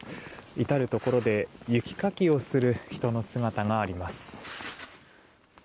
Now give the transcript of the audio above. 至るところで雪かきをする人の姿があります。